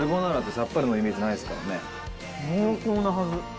濃厚なはず。